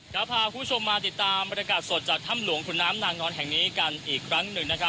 พาคุณผู้ชมมาติดตามบรรยากาศสดจากถ้ำหลวงขุนน้ำนางนอนแห่งนี้กันอีกครั้งหนึ่งนะครับ